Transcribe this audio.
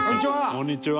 こんにちは！